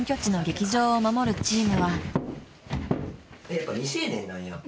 やっぱ未成年なんやん。